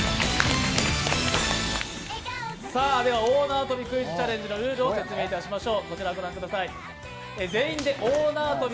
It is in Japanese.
では大縄跳びクイズチャレンジのルールを説明しましょう。